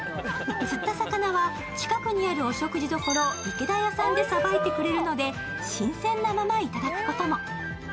釣った魚は近くにあるお食事どころ、いけだ屋さんでさばいてくれるので新鮮なまま頂くことも。